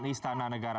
di istana negara